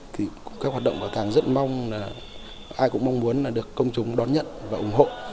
thì các hoạt động bảo tàng rất mong là ai cũng mong muốn là được công chúng đón nhận và ủng hộ